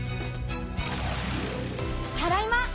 ただいま。